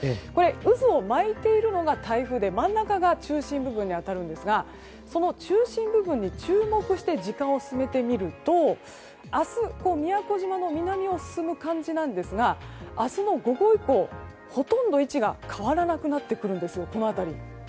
渦を巻いているのが台風で真ん中が中心部分に当たるんですがその中心部分に注目して時間を進めてみると明日宮古島の南を進む感じなんですが明日の午後以降、ほとんど位置が変わらなくなってくるんです。